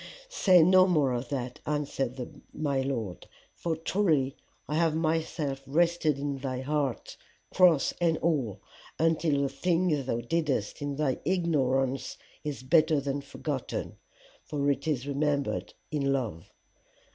Say no more of that, answered my Lord, for truly I have myself rested in thy heart, cross and all, until the thing thou didest in thy ignorance is better than forgotten, for it is remembered in love.